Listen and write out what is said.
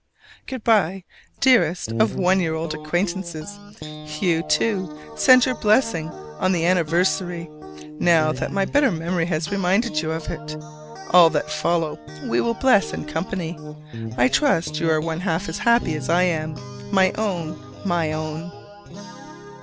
Good by, dearest of one year old acquaintances! you, too, send your blessing on the anniversary, now that my better memory has reminded you of it! All that follow we will bless in company. I trust you are one half as happy as I am, my own, my own.